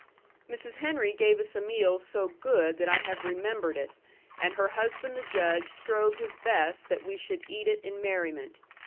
Mrs. Henry gave us a meal so good that I have remembered it, and her husband the Judge strove his best that we should eat it in merriment.